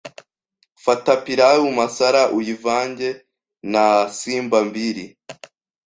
Fata pilau masala uyivange na simba mbili